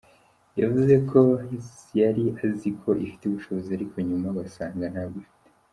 Yavuze ko yari azi ko ifite ubushobozi ariko nyuma basanga ntabwo ifite.